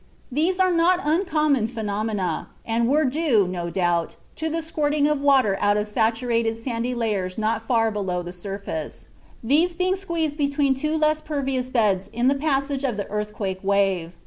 These are not uncommon phenomena, and were due, no doubt, to the squirting of water out of saturated sandy layers not far below the surface; these being squeezed between two less pervious beds in the passage of the earthquake wave.